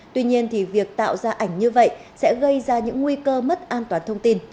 tuy nhiên thì việc tạo ra ảnh như vậy sẽ gây ra những nguy cơ mất an toàn thông tin